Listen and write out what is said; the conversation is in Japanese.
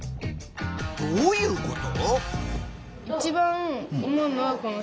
どういうこと？